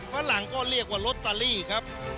ฝรั่งก็เรียกว่าลอตเตอรี่ครับ